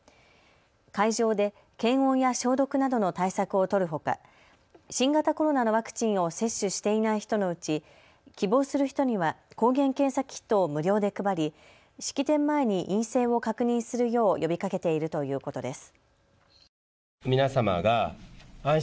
会場で検温や消毒などの対策を取るほか新型コロナのワクチンを接種していない人のうち希望する人には抗原検査キットを無料で配り式典前に陰性を確認するよう呼びかけているということです。